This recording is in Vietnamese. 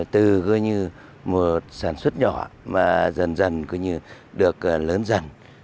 từ mùa sản xuất nhỏ mà dần dần được lớn dần